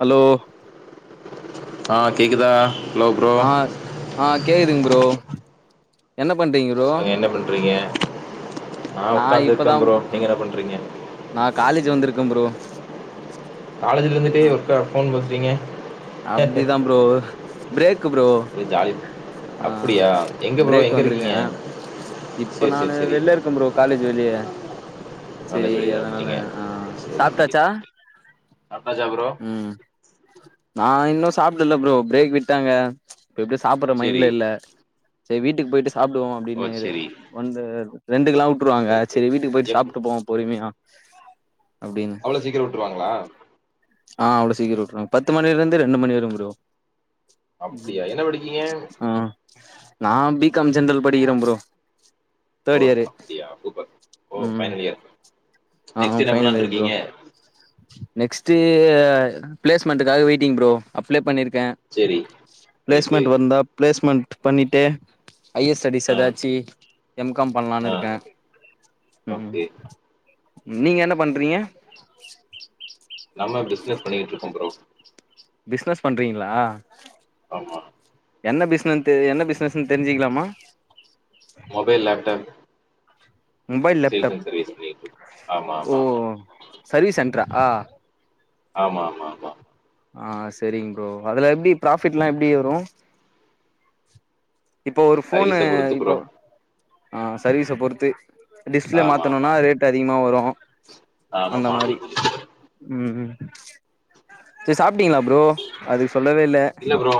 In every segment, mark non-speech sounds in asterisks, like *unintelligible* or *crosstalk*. Hello ஆ கேக்குதா hello bro ஆ ஆ கேக்குதுங் ப்ரோ என்ன பண்றீங் சொல்லுங்க என்ன பண்றீங்க நா ஒக்காந்துயிருக்க ப்ரோ நீங்க என்ன பண்றீங்க நா காலேஜ் வந்துருக்க ப்ரோ காலேஜ்ல இருந்துட்டே ஒர்க்கா போன் பேசுறீங்க அப்டிதா ப்ரோ பிரேக் ப்ரோ ஒரே ஜாலி ஆ அப்டியா எங்க ப்ரோ பிரேக் எங்க வந்திருக்கே இருக்கீங்க இப்ப சேரி சேரி நானு சேரி வெளில இருக்கே ப்ரோ காலேஜ் வெளியே செரி காலேஜ் வெளில அதனால இருந்துட்டீங்க ஆ சேரி சாப்பிட்டாச்சா சாப்ட்டாச்சா ப்ரோ ம் நா இன்னு சாப்பிடல ப்ரோ பிரேக் விட்டாங்க இப்ப எப்டியோ சாப்படுற சேரி மைண்ட்ல இல்ல செரி வீட்டுக்கு போயிட்டு சாப்பிடுவோ அப்டின்னு ஓ சேரி வந்து ரெண்டு கெல்லா கூப்புடுவாங்க ரைட் செரி ரைட் வீட்டுக்கு போயிட்டு எப் சாப்பிட்டு போவோ பொறுமையா அப்டின்னு அவ்ளோ சீக்ரோ விட்ருவாங்களா ஆ அவ்ளோ சீக்ரோ விட்டுருவாங்க பத்து மணிலே இருந்து ரெண்டு மணி வரயு ப்ரோ அப்டியா ம் என்ன படிக்கீங்க ஆ நா பி காம் ஜென்ரல் படிக்கிறே ப்ரோ ஓ தேட் இயரு அப்டியா சூப்பர் ஓ ம் ஃபைனல் இயர் ஆமா நெக்ஸ்ட் என்ன ஃபைனல் பண்ணலான்ட்டு இ்யர் ப்ரோ இருக்கீங்க நெக்ஸ்ட் பிளேஸ் மெண்ட்டுகாக வெயிட்டிங் ப்ரோ அப்ளை பண்ணிருக்கே சேரி ரைட்டு பிளேஸ்மெண்ட் வந்தா பிளேஸ்மெண்ட் பண்ணிட்டே ஹையர் ஸ்டடிஸ் ஆ ஏதாச்சு எம் காம் ஆ பண்ணலாம்னு இருக்கே ஓகே. நீங்க என்ன பண்ணுறீங்க நம்ம பிஸ்னஸ் பண்ணிக்கிட்டு இருகோ ப்ரோ பிஸ்னஸ் பண்றீங்களா ஆமா என்ன பிஸ்னசு தெ. என்ன பிசினஸ்ன்னு தெரிஞ்சுக்கலாமா mobile laptop mobile sales laptop and service பண்ணிக்கிட்டுருக்கோம். ஆமா, ஓ ஆமா, ஆமா. சர்வீஸ் சென்ரா ஆமா ஆமா ஆமா ஆ செரிங்க் ப்ரோ அதுல எப்டி ப்ராஃபிட்லா எப்டி வரு இப்போ ஒரு ஃபோனு சர்வீஸ பொறுத்து இப்போ ப்ரோ. ஆ சர்வீஸ பொறுத்து டிஸ்பிளே ஆமா, ஆமா, மாத்தணும்னா ஆமா. ரேட் அதிகமா வரு ஆமா அந்த மாரி மாடல் புதுசு. ம் செரி சாப்ட்டீங்களா ப்ரோ அதுக்கு சொல்லவே இல்ல இல்ல ப்ரோ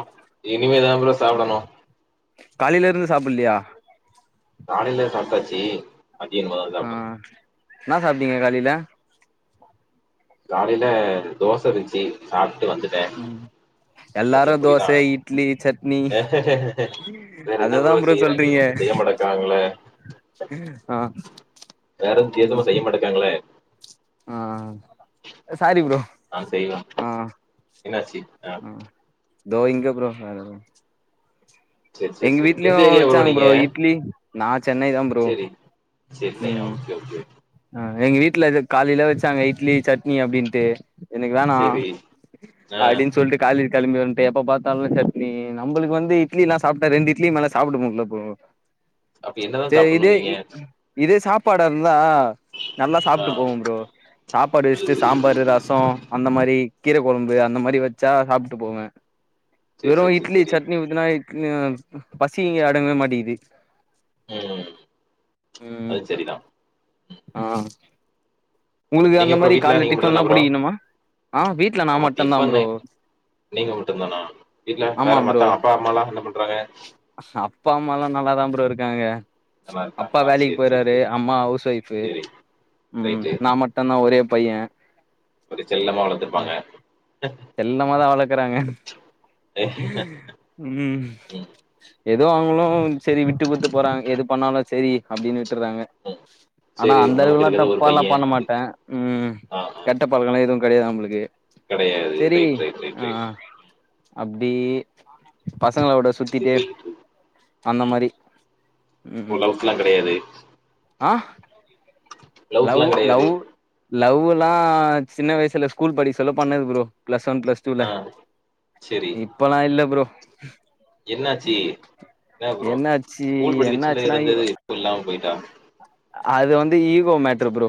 இனிமே தா பரோ சாப்டணு காலைலேருந்து சாப்ட்லையா காலைல சாப்ட்டாச்சி மத்ய மா ஆ என்ன சாப்டீங்க காலையில காலையில ரெண்டு தோச இருந்துச்சு சாப்ட்டு வந்துட்டே ம் எல்லாரு தோச இட்லி சட்னி வேற என்ன அததா ப்ரோ செய்றாய்ங்க? சொல்றீங்க ஒண்ணும் *unintelligible* ஆ வேற எது ம் வித்தியாசமா செய்யமாட்டுகங்களே ஆ அ சாரி ப்ரோ நான் செய்வேன். ஆ ஆ தோ இங்க ப்ரோ ஆ ஆ செர் செர் செரி எந்த ஏரியா ப்ரோ வச்சாங்க நீங்க இட்லி நா சென்னை தா ப்ரோ செரி சென்னையா ம் ஆ ஓகே ஓகே ஆ எங்க வீட்டுல எதோ காலையில வச்சாங்க இட்லி சட்னி அப்டின்ட்டு இன்னைக்கு வேணா செரி ஆ அப்டின்னு சொல்ட்டு கால்ல களம்பி வந்துட்டு எப்ப பாத்தாலு சட்னி நம்ளுக்கு வந்து இட்லிலா சாப்ட்டா ரெண்டு இட்லி மேல்ல சாப்ட முடில்ல ப்ரோ அப்ப என்னதா செரி இதே சாப்டணுங்கீங்க இதே சாப்பாட இருந்தா நல்லா ஆ சாப்ட்டு போவ ப்ரோ சாப்பாடு அது வச்சிட்டு சாம்பார் செரி ரசோ அந்த மாரி கீர கொழம்பு அந்த மாரி வச்சா சாப்ட்டு போவே செரி வெறு செரி செரி இட்லி செரி சட்னி வெச் துனா இட்லி பசிக்கு அடங்கவே மாட்டேகிது ம் ம் அது செரிதா ஆ உங்களுக்கு நீங்க அந்த அப்றோ மாரி வீட்ல கால்ல நீங்க டிஃபன்ல்லா மட்டுந்தானா ப்ரோ புடிக்கணுமா ஆ வீட்ல நா ஆமா மட்டுதா டிஃபன் ப்ரோ நீங்க மட்டுதானா வீட்ல ஆமா வேற ப்ரோ மத்தா அப்பா அம்மாலா என்ன பண்றாங்க அப்பா அம்மாலா நல்லாதா ப்ரோ இருக்காங்க நல்லா அப்பா இருக்காங்களா வேலைக்கு செரி செரி போய்றாரு செரி அம்மா ஹவுஸ் ஒய்ஃப்பு செரி ம் ரைட்டு நா மட்டுதா ஒரே பையே கொஞ்சோ செல்லமா வளத்துருப்பாங்க செல்லமா தா வளக்குறாங்க ம் ஏதோ அவுங்களு செரி விட்டு குத்து போறாங்க எது பண்ணாலு செரி அப்டின் விட்ருறாங்க ம் ஆனா செரி அந்த நமக்கு அளவக்ல்லா இருக்கறது ஒரு தப்பல்லா பைய பண்ண அது மாட்டே ம் ஆ ஆ கெட்ட பழக்கலா எதுவு கடையாது நம்ளுக்கு கெடையாது செரி ரைட் ரைட் ரைட் ஆ ரைட் அப்டி பசங்களோட இது சுத்திட்டே போயிட்ருக்கு அந்த ம் மாரி ம் ஓ ம் லவ்ஸ்லா கெடையாது ஆ லவ் லவ்ஸ்லா லவ் கெடையாது லவ் எல்லா சின்ன வயசல ஸ்கூல் படிக்க சொல்ல பண்ணது bro plus one plus two ல ஆ செரி இப்பளா இல்ல ப்ரோ என்னாச்சு என்ன ப்ரோ என்னாச்சி ஸ்கூல் என்ன படிக்கச்சல ஆச்சினா இருந்தது இப்ப இல்லாம போயிட்டா அது வந்து ஈகோ மேட்ரு ப்ரோ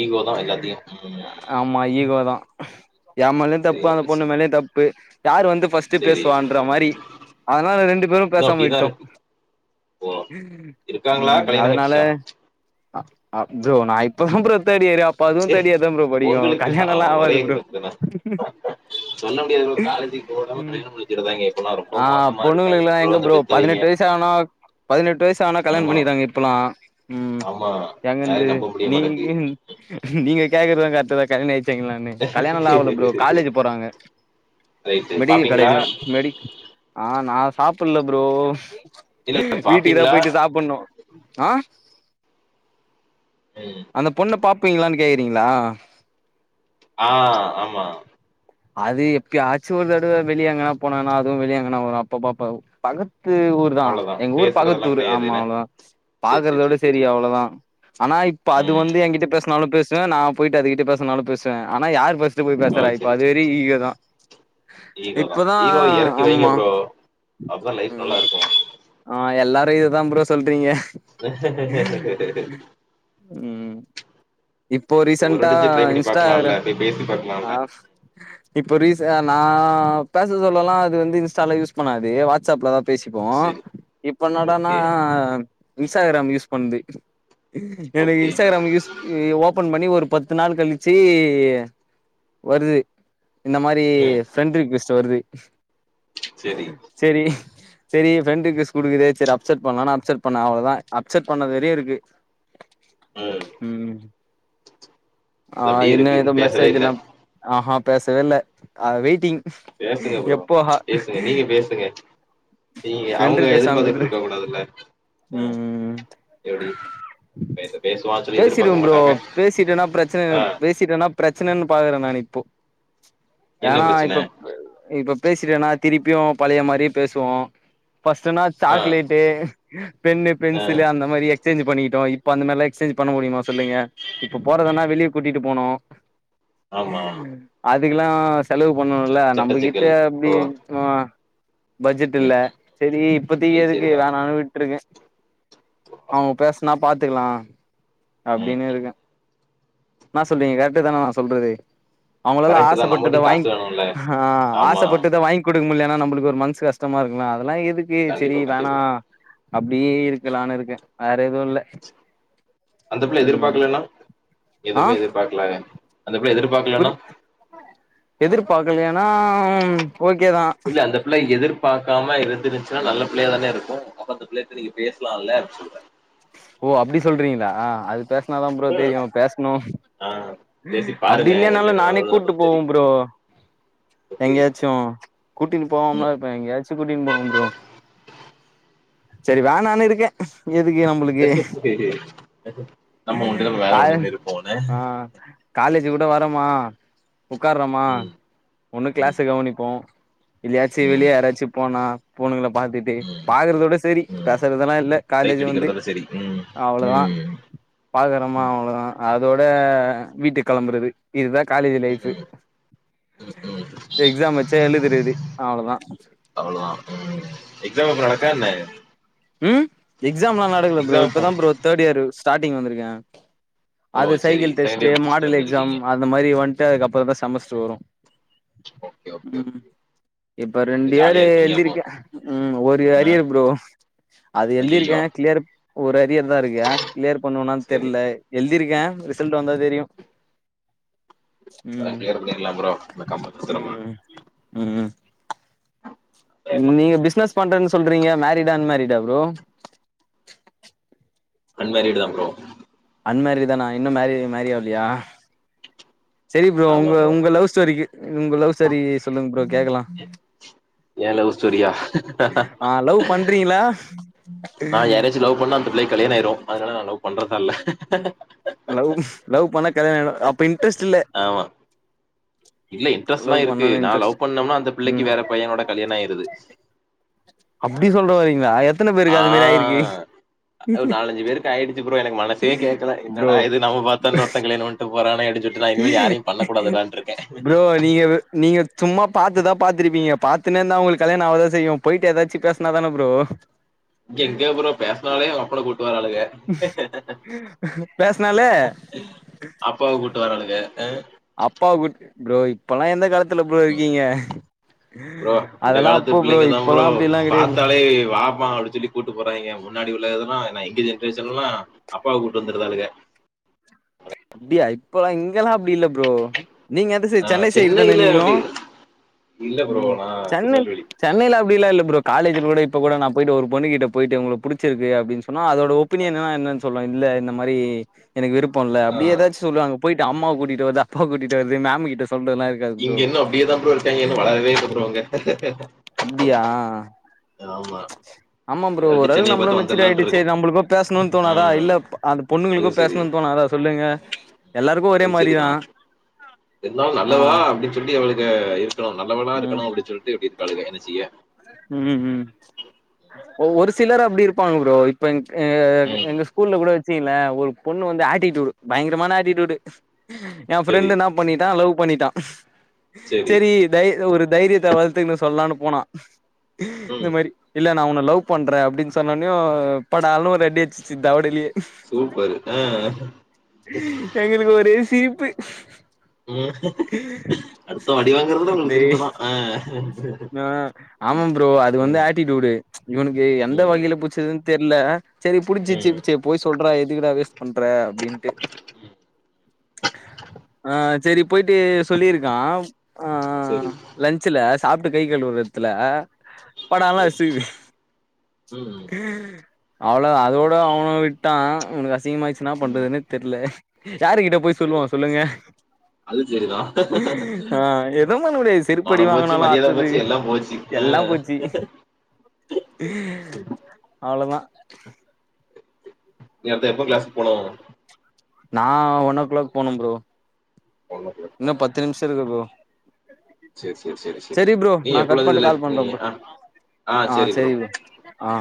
ஈகோ தா எல்லாத்தையு ம் ஆ மா ஈகோ தா ஏம்மேலயு தப்பு சரியா அந்த போச்சு பொண்ணு மேலேயு தப்பு யாரு வந்து ஃபஸ்ட் த்தி சரி பேசுவான்ற இன்னு மாரி அதனால ரெண்டு பேரு பேசாம அப்டிதா விட்டோ இருக்கு ஓ இருக்காங்களா ம் கல்யாண அதுனால ஆயிடுச்சா அப் ஃப்ரோ நா இப்ப தா ப்ரோ தேட்டியரு அப் இப்ப அதுவு ஏ தேட்யிர்தா ப்ரோ படிக்கு உங்களுக்கு கல்யாணோ ஆ, எல்லா ஒரே ஆவாது ப்ரோ இதுதான சொல்ல முடியாது ப்ரோ காலேஜ்க்கு போகாம ம் கல்யாணோ முடிச்சுருதாங்க இப்பலா ரொம்ப ஆ மோசமா இருக்காங்க பொண்ணுங்களுக்குல்லா ப்ரோ எங்க அந்த பெ பதினெட்டு வயசு ஆனா பதினெட்டு வயசு ஆனா கல்யாண ஆமா பண்ணிகிறங்க இப்பெல்லா ம் ஆமா எங்கந்து யாரையு நம்ப முடிய நீ மாட்டேங்குது நீங் நீங்க கேக்கறதங்க கரெக்ட் தா கல்யாண ஆய்ச்சங்களா கல்யாண எல்லா ஆவல ப்ரோ காலேஜ் போறாங்க ரைட்டு மெடிக்கல் பாப்பீங்களா காலேஜ் மெடி ஆ நா சாப்பட்ல்ல ப்ரோ இல்ல இல்ல வீட்டுக்குதா பாப்பீங்களா போயிட்டு சாப்புட்ணு ஆ ம் அந்த பொண்ண பாப்பீங்களானு கேக்குறீங்களா ஆ ஆமா அது எப்பயாச்சு ஒரு தடவ வெளியா எங்கனா போனேனா அதுவு வெளியா எங்கனா வரு அப்ப பாப்ப பக்கத்து ஊர் தா அவ்ளோதா எங்க ஊர் பேசுறதெல்லா பக்கத்து ஊர் கெடையாது ஆமா என்ன அவ்ளோ தா சேரி சேரி பாக்குறதோட சேரி செரி சேரி அவ்ளோதா ஆனா இப்ப அது ம் வந்து என்கிட்ட பேசினாலு பேசு நா போயிட்டு அதுகிட்ட பேசினாலு பேசுவ ஆனா யார் ஃபஸ்ட்டு போய் ஓ பேசறா இப்ப செரி அதுவறிங்கு ஈகோதா ஈகோ வா? ஈகோவ எறக்கி வைங்க ஆமா ப்ரோ அப்பதா லைஃப் நல்லா ம் இருக்கு ஆ எல்லாரு இததா ப்ரோ சொல்றீங்க ம் இப்போ ஒரு ரீசன்ட்டா வாட்டியாச்சு ட்ரை பண்ணி பாக்கலால்ல இன்ஸ்ட்டாகிராம் போய் பேசி பாக்கலால்ல ஆ இப்ப ரீச நா பேச சொல்லலா அது வந்து இன்ஸ்டாலா யூஸ் பண்ணாது வாட்ஸ் அப்ல தா பேசிப்போ செரி இப்ப என்னடானா ஓகே இன்ஸ்டாகிராம் யூஸ் பண்ணுது எனக்கு ஓகே இன்ஸ்டாகிராம் யூஸ் ஓப்பன் பண்ணி ஒரு பத்து நாள் கழிச்சு வருது இந்த மாரி ம் ஃப்ரெண்டு ரிக்வஸ்ட் வருது செரி செரி செரி ஃப்ரெண்டு ரிக்வெஸ்ட் குடுக்குதே செரி அப்சட் பண்ண அவ்ளோதா அப்செட் பண்ணது வறையு இருக்கு ம் ம் ஆ இது அப்டியே இன்னு இருக்கு ஏதோ பேசவே மெசேஜ் இல்ல எல்லா ஆஹா பேசவே இல்ல ஆ வெய்ட்டிங் பேசுங்க ப்ரோ பேசுங்க நீங்க பேசுங்க நீங்க ஃப்ரெண்ட் அவங்க ரிக்வெஸ்ட் அனுப்பி எதிர்பாத்துட்டு இருக்க குடுத்துட்டு கூடாதுல்ல ஆ ம் எப்டி பேசு பேசிடுவோ ப்ரோ பேசிட்டேனா பிரச்சன ஆ பேசிட்டனா பிரச்சனன்னு பாக்குறே நானு இப்போ என்ன ஏன்னா ஆ பிரச்சன இப்ப இப்ப பேசிட்டேன்னா திருப்பியு பழைய மாரியே பேசுவோ ஃபஸ்ட்டுனா ஆ சாக்லேட்டு பெண்ணு ஆ பென்சிலு அந்த மாரி எக்ஸ்சேஞ் பண்ணிகிட்டோ இப்ப அந்த மாரில‌ எக்ஸ்சேஞ்ச் பண்ண முடியுமா சொல்லுங்க இப்ப போறதுன்னா வெளியே கூட்டிட்டு போனு ஆமா அதுக்கெல்லா செலவு பண்ணணுல்ல சட்ட சிக்கல் நம்மகிட்ட அப்டி ஓ ஆ பட்ஜெட் இல்ல ம் செரி இப்பத்திக்கி அது எதுக்கு செரிதா வேணாண்னு விட்டு இருக்கே அவுங்க பேசுனா பாத்துக்கலா ஆ அப்டின்னு இருக்கே என்னா சொல்றீங்க கரெக்ட்டு தானே நா சொல்றது அவங்களெல்லா கரெக்ட் தான் ஆசைப்பட்டத நம்மகிட்டயும் காசு வாங் வேணும்ல ஆமா ஆசைப்பட்டத வாங் குடுக்க முட்லன்னா நம்மளுக்கு ஒரு மனசு கஷ்டமா இருக்குல அதெல்லா எதுக்கு செரி கண்டிப்பா வேணா கண்டிப்பா அப்டியே இருக்கலான்னு இருக்கே வேற எதுவு இல்ல அந்த பிள்ள ம் எதிர்பாக்கலனா ஆ எதுவுமே எதிர்பார்க்கல அந்த பிள்ள எதிர்பாக்கலனா எதிர்பாக்கலைனா ம் ஓகே தா இல்ல அந்த பிள்ள எதிர் பாக்காம இருந்துச்சுனா நல்ல பிள்ளையா தானே இருக்கு அப்ப அந்த பிள்ள கிட்ட நீங்க பேசலாம்ல அப்டினு சொல்வ ஓ அப்டி சொல்றீங்களா அது பேசுனாதா ப்ரோ தெரியு பேசணு ஆ, பேசி அப்டி பாருங்க இல்லையனாலு என்ன நானே நிலவரம் கூப்டு அப்படின்னு போவே தெரியும் ப்ரோ ஓகே எங்கேயாச்சு கூட்டின்னு போவம்லா இருப்பே எங்கயாச்சும் கூட்டின்னு போவே ப்ரோ செரி வேனானு இருக்கே எதுக்கு நம்மளுக்கு நம்ம உண்டு நம்ம வேலை காய உண்டு இருப்போம்னு ஆ காலேஜ் கூட வரமா உட்கார்றமா ம், ஒண்ணு ம், க்ளாஸ கெவனிப்போ இல்லயாச்சு வெளியே ம், யாராச்சு போனா பொண்ணுங்கள பாத்துட் டு ம், பாக்குறதோட செரி ம். பேசறதெல்லா இல்ல காலேஜ் சைட் வந்து அடிக்கிறதோட சரி ம், அவ்ளோதா ம், பாக்குறமா ம், அவ்ளோதா அதோட வீட்டுக்கு கெளம்புறது இதுதா காலேஜ் ம், லைஃப்பு ம், ம். எக்ஸாம் வச்சா எழுதுறது அவ்ளோதா அவ்ளோவுதா ம் எக்ஸாம் இப்ப நடக்கா என்ன ம் எக்ஸாம் எல்லா நடக்குல ப்ரோ எக்ஸாம் இப்பதா போனோ ப்ரோ தேர்ட் இயர் ஸ்டார்ட்டிங் வந்துருக்கே ஓ அது சரி சைக்கிள் செகண்ட் டெஸ்ட் இயர் முடிச்சுட்டு மாடல் எக்ஸாம் வந்திருக்கீங்க அந்த மாரி வந்துட்டு அதுக்குப்புறோ தா செமஸ்டர் வரு ஓகே ஓகே ம் ஓகே இப்ப ரெண்டு இது இயர் ஜாலியா இருக்கீங்க அப்போ எழுதிருக்கே ம் ஒரு ஆ அரியர் ப்ரோ அது எழுதி ஐயோ இருக்கே க்ளியர் ஒரு அரியர் தா இருக்கே க்ளியர் பண்ணுவேனானு சரி தெரியல எழுதிருக்கே ரிசல்ட் வந்தா தெரியு துலா ம் க்ளியர் பண்ணிக்கலா ப்ரோ இந்த கம்ப சுத்துறமா ம் ம் நீங்க பிசினஸ் பண்றேன்னு சொல்றீங்க மேரிடா அன்மேரிடா ப்ரோ அன்மேரீடு தா ப்ரோ அன்மேரிடு தானா இன்னு மேரிட் மேரி ஆகலையா செரி ப்ரோ உங்க உங்க லவ் ஸ்டோரிக்கு உங்க லவ் ஸ்டோரி சொல்லுங்க ப்ரோ கேக்கலா ஏ லவ் ஸ்டோரி ஆ ஆ லவ் பண்றீங்களா நா யாராச்சும் லவ் பண்ணா அந்த புள்ளைக்கு கல்யாணோ ஆயிடு அதனால நா லவ் பண்றதா இல்ல லவ் லவ் பண்ண கல்யாணோ ஆயிடு அப்போ இன்டரஸ்ட் இல்ல ஆமா இல்ல இட்ரெஸ்லா லவ் இருக்கு பண்ணனு நா இன்ட்ரெஸ்ட் லவ் பண்ணோம்னா அந்த புள்ளைக்கு ம் வேற பையனோட கல்யாணோ ஆயிருது அப்டி சொல்ல வரீங்களா எத்தன ஆ பேருக்கு அது மாரி ஆயிருக்கு *unintelligible* ஆயிடுசு ப்ரோ எனக்கு மனசே கேக்கல ப்ரோ என்னடா இது நம்ம பாத்தா இன்னொருத்த கல்யாணோ பண்ணட்டு போறானே அப்டின் ட்டுரா இனிமே யாரையு பண்ணக்கூடாதுடான்று ப்ரோ நீங்க நீங்க சும்மா பாத்து தா பாத்துருப்பீங்க பாத்துன்னே இருந்தா அவங்களுக்கு கல்யாணோ ஆக தா செய்யு போயிட்டு ஏதாச்சும் பேசுனா தானே ப்ரோ எங்க ப்ரோ பேசுனாலே அப்பன கூப்டு வராளுங்க பேசனாலே அப்பாவ கூப்டு வராளுங்க அ அப்பாவ கூப் ப்ரோ இப்பல்லா எந்த காலத்துல ப்ரோ இருக்கீங்க ப்ரோ இந்த அதெல்லா காலத்து அப்போ ப்ரோ பிள்ளங்க தா ஃப்ரோ இப்பல்லா அப்டில்லா கெடையாது ப்ரோ பாத்தாலே வாப்பான அப்டி சொல்லி கூப்ட்டு போறாய்ங்க முன்னாடி உள்ளதெல்லா ஏ எங்க ஜென்ரேஷன்ல எல்லா அப்பாவ கூட்ட்டு வந்துருந்தாளுங்க அப்டியா இப்பல்லா இங்கல்லா அப்டி இல்ல ஃப்ரோ நீங்க எந்த ஆ ‌சைடு சென்னை சைடு தானே சென்னையில நீங்களு அப்டி இல்ல ப்ரோ ம் நா சென்னை திருநெல்வேலி சென்னையில அப்டில்லா இல்ல ஃப்ரோ காலேஜ்ல கூட இப்ப கூட நா போய்ட்டு ஒரு பொண்ணிட்ட போய்ட்டு உங்கள புடிச்சிருக்கு அப்டின்னு சொன்னா அதோட இப்ப நீ என்னன்னா என்னனு சொல்ல இல்ல இந்த மாறி எனக்கு விருப்ப இல்ல ஆ அப்டி ஏதாச்சு சொல்றாங்க போய்ட்டு அம்மாவ கூட்டிட்டு வருது அப்பாவ கூட்டிட்டு வருது மேம் கிட்ட சொல்றதலா இங்க இருக் இன்னு அப்டியே தா ப்ரோ இருக்காங்க இன்னு *unintelligible* வளரவே இல்ல ப்ரோ இங்க அப்டியா ஆமா ஆமா ஃப்ரோ இல்லாட்டி ஓரளவு சென்னைய நம்மளு பாத்து வந்துரலான்ட்டு மெச்சிடாயிடுச்சே இருக்கே நம்மளுக்கு பேசணுன்னு தோணாதா ம் இல்ல அந்த அது பொண்ணுங்களுக்கு செரி பேசணுனு தோணாதா சொல்லுங்க எல்லாருக்கு ஒரே அது மாறி செரிதா தா இருந்தாலு நல்லவா அப்டின்னு சொல்லி அவளுங்க இருக்கணு நல்லவெனா ம் இருக்கணு அப்டி சொல்ட்டு இப்டி இருக்காளுங்க என்ன செய்ய ம் ம் ஒரு சிலர் அப்டி இருப்பாங்க ஃப்ரோ டென்த்து ஆ ம் எங்க ஸ்கூல்ல கூட சீல ஒரு பொண்ணு வந்து ஆட்டிடூடு பயங்கரமான ஆட்டிடூடு எ செரி பிரெண்டு்ன புக் பண்ணிட்டா லவ் பண்ணிட்டா செரி தை ஒரு தைரியத்த வளத்துக்குன்னு சொல்லலான்னு போனா ம் இந்த மாறி இல்ல நா ஒன்ன லவ் பண்றே அப்டின்னு சொன்னோனயு படாலு ஒரு அடி அடிச்சுச்சு தவடலியே சூப்பரு ஆ எங்களுக்கு ஒரே சிரிப்பு ம் அடுத்த அடி வாங்கறதுல உங்களுக்கு டேய் சிரிப்புதா ஆ ஆ ஆமாம் ஃப்ரோ அது வந்து ம் ஆட்டிடூடு இவனுக்கு எந்த ம் வகையில புச்சதுன்னு தெரில செரி புடிச்சிச்சு ம் செ போய் சொல்ற எதுக்கட வேஸ்ட் பண்ற அப்டின்ட்டு ஆ சரி போயிட்டு சொல்லிருக்கா சரி ச்சுல சாப்ட்டு கை கழுவுற எடத்துல படலா ஓகே ம் *unintelligible* அவ்ளோதா அதோட அவனு விட்டா ஒனக்கு அசிங்கமாச்சு என்னா ம் பண்றதுன்னு தெரில யாரு கிட்ட போய் சொல்லுவா செரி சொல்லுங்க அது செரிதா ஆ எது பண்ண முடியாது செருப்படி மானம் போச்சு வாங்கினாலு மரியாத ஆத்தது போச்சு எல்லா போச்சு ஆ எல்லா போச்சு அவ்ளோ தா நேத்த எப்ப க்ளாஸ் போனோ நா ஒன் ஓ க்ளாக் போனோ ஃப்ரோ ஒன் ஓ க்ளாக் இன்ன பத்து நிமிஷ இருக்கு ப்ரோ சேரி சேரி சேரி சேரி செரி ஃப்ரோ நீ நா கட் எப்போலருந்து பண்ணி இதுல கால் பண்றே இருக்கீங்க ஃப்ரோ ஆ ஆ சேரி ப்ரோ செரி ஃப்ரோ ஆ